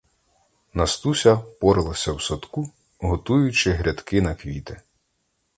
Настуся поралася в садку, готуючи грядки на квіти.